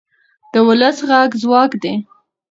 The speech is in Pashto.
د ولس غږ ځواک دی